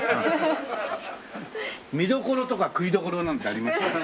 見どころとか食いどころなんてあります？